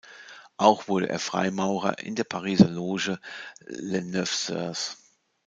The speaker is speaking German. Auch wurde er Freimaurer in der Pariser Loge "Les Neuf Sœurs".